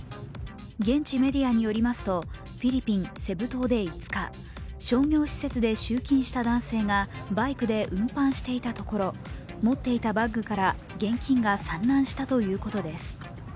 現地メディアによりますと、フィリピン・セブ島で５日、商業施設で集金した男性がバイクで運搬していたところ、持っていたバッグから現金が散乱したということです。